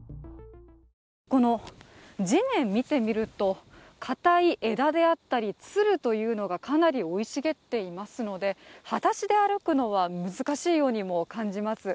この地面、見てみると、固い枝であったりつるというのがかなり生い茂っていますので、はだしで歩くのは難しいようにも感じます。